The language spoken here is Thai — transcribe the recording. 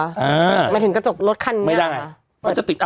สุดยอดนะว่ากระจกรถคันนี้อ่ะ